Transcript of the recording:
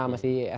masih smp sma